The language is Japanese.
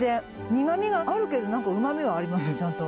苦みがあるけど何かうまみはありますねちゃんと。